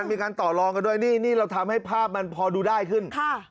มีการต่อลองกันด้วยนี่นี่เราทำให้ภาพมันพอดูได้ขึ้น